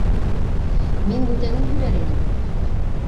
Мин бүтәнен һөйләр инем.